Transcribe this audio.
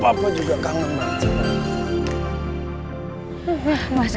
papa juga kangen tanep serius yah